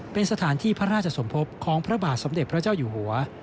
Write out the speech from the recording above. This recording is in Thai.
เป็นสถานที่พระราชสมภพของพระบาทสมเด็จพระเจ้าอยู่หัว